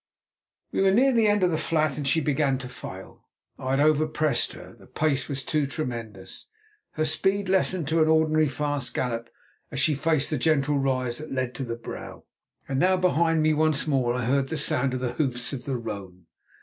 We were near the end of the flat, and she began to fail. I had over pressed her; the pace was too tremendous. Her speed lessened to an ordinary fast gallop as she faced the gentle rise that led to the brow. And now, behind me, once more I heard the sound of the hoofs of the roan.